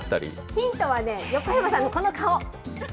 ヒントはね、横山さんのこの顔。